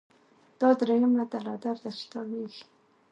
دا دریمه ده له درده چي تاویږي